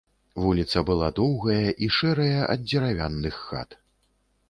Вуліца была доўгая і шэрая ад дзеравяных хат.